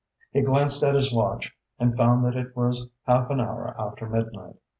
He glanced at his watch and found that it was half an hour after midnight.